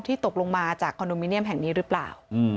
ตกลงมาจากคอนโดมิเนียมแห่งนี้หรือเปล่า